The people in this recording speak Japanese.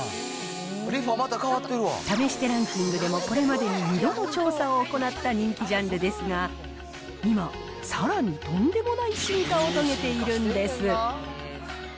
試してランキングでも、これまでに２度も調査を行った、人気ジャンルですが、今、さらにとんでもない進化を遂げているんです。